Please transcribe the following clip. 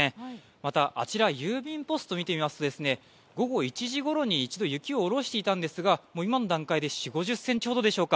また、郵便ポストを見てみると午後１時ごろに一度雪を下ろしていたんですが今の段階で４０５０ｃｍほどでしょうか。